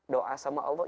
doa sama allah